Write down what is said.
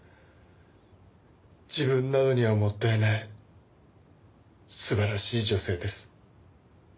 自分などにはもったいないすばらしい女性です。